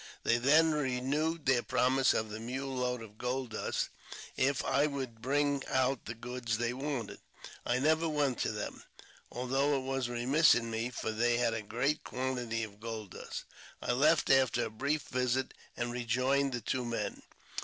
They then renewed their promise of the mule load of gold dust if I would bring out the goods they wanted. I never went to them, although it was remiss in me, for they had a great quantity of gold dust. I left after a brief visit, and rejoined the two men.